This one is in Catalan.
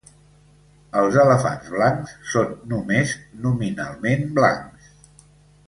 Els elefants blancs són només nominalment blancs.